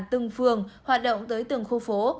từng phường hoạt động tới từng khu phố